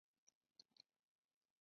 角色介绍以最后结局为准。